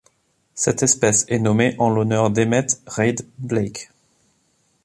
Cette espèce est nommée en l'honneur d'Emmet Reid Blake.